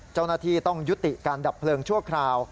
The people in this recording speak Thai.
เจ้าหน้าที่ต้องยุติการดับเพลิงชั่วคราว